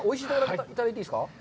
いただいていいですか。